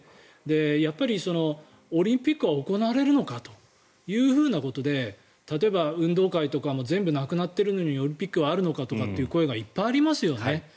やっぱり、オリンピックは行われるのかということで例えば運動会とかも全部なくなっているのにオリンピックはあるのかという声がいっぱいありますよね。